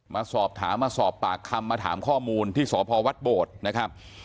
มาสอบถามมาสอบปากคำมาถามข้อมูลที่สพวัดโบดนะครับ